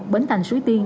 bến thành sua tiên